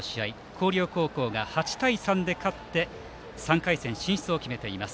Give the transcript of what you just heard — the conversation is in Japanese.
広陵高校が８対３で勝って３回戦進出を決めています。